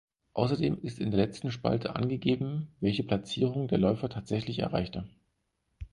Außerdem ist in der letzten Spalte angegeben, welche Platzierung der Läufer tatsächlich erreichte.